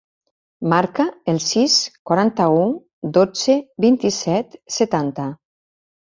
Marca el sis, quaranta-u, dotze, vint-i-set, setanta.